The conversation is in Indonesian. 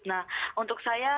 nah untuk saya